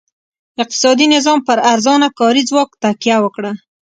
اقتصادي نظام پر ارزانه کاري ځواک تکیه وکړه.